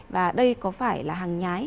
và đây có phải là hàng nhái